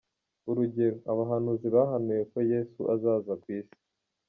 Urugero, Abahanuzi bahanuye ko Yesu azaza ku isi.